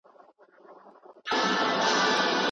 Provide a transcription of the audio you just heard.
ځینې خلک تر فشار لاندې ځان ملامتوي.